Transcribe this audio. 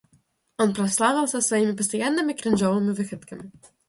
Он прославился своими постоянными кринжовыми выходками.